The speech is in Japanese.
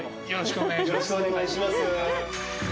よろしくお願いします。